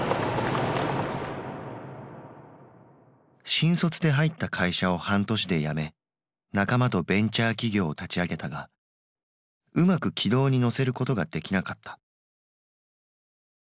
新卒で入った会社を半年で辞め仲間とベンチャー企業を立ち上げたがうまく軌道に乗せることができなかった。